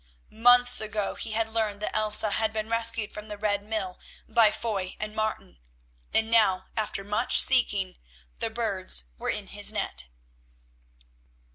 Months ago he had learned that Elsa had been rescued from the Red Mill by Foy and Martin, and now, after much seeking, the birds were in his net.